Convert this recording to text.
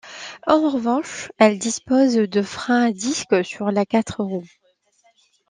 En revanche, elle dispose de freins à disque sur les quatre roues.